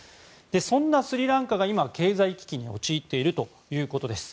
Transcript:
そんなスリランカが今経済危機に陥っているということです。